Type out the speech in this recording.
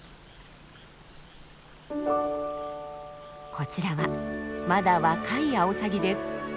こちらはまだ若いアオサギです。